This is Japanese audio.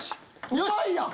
うまいやん！